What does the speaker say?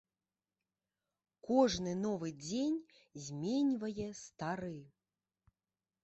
Кожны новы дзень зменьвае стары.